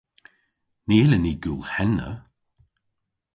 Ny yllyn ni gul henna.